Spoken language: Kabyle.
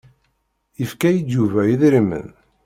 Yefka-yi-d Yuba idrimen.